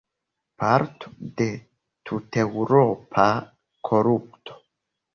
Parto de tuteŭropa korupto?